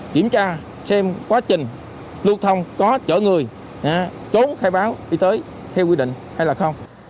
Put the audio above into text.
kiểm tra xem quá trình lưu thông có chở người chốn khai báo đi tới theo quy định hay không